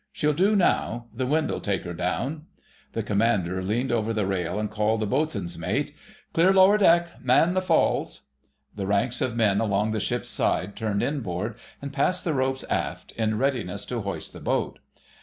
"She'll do now.... The wind 'll take her down." The Commander leaned over the rail and called the Boatswain's Mate— "Clear lower deck! Man the falls!" The ranks of men along the ship's side turned inboard, and passed the ropes aft, in readiness to hoist the boat.